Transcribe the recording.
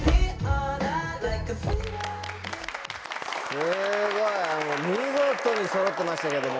すごい見事にそろってましたけども。